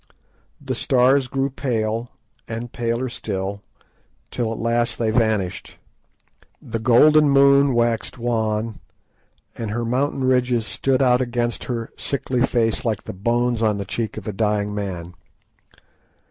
The stars grew pale and paler still, till at last they vanished; the golden moon waxed wan, and her mountain ridges stood out against her sickly face like the bones on the cheek of a dying man.